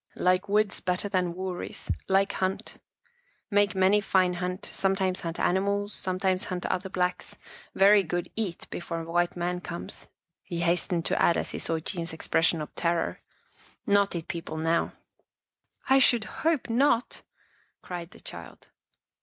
Like woods better than wuuries. Like hunt. Make many fine hunt, sometimes hunt animals, sometimes hunt other Blacks. Very good eat, before white man comes," he hastened to add as he saw Jean's expression of terror. " Not eat people now." " I should hope not," cried the child.